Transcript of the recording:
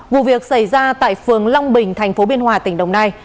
vụ việc xảy ra tại phường long bình thành phố biên hòa tỉnh đồng nai